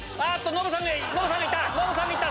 ノブさんが行った！